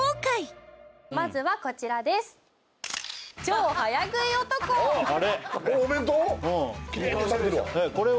まずはこちらですあれ？